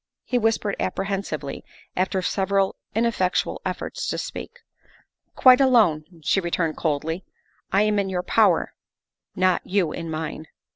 he whispered apprehensively, after several ineffectual efforts to speak. " Quite alone," she returned coldly. " I am in your power not you in mine."